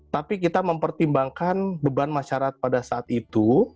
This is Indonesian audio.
tapi kita mempertimbangkan beban masyarakat pada saat itu